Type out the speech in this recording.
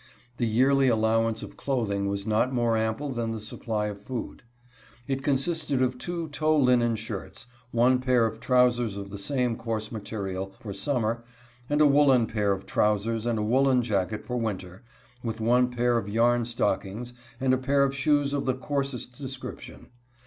The yearly allowance of clothing was not more ample than thej supply of food. It consisted of two tow linen shirts, one' pair of trowsers of the same coarse material, for summer, and a woolen pair of trowsers and a woolen jacket for win ter, with one pair of yarn stockings and a pair of shoes of the coarsest description.